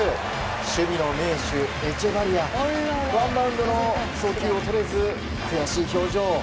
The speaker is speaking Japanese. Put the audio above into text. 守備の名手、エチェバリアワンバウンドの送球をとれず悔しい表情。